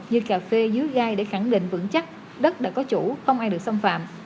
như cà phê dưới gai để khẳng định vững chắc đất đã có chủ không ai được xâm phạm